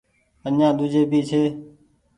آڃآن ۮوجهي ڀي ڇي ۔